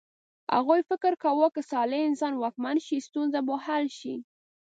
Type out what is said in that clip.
هغوی فکر کاوه که صالح انسان واکمن شي ستونزه به حل شي.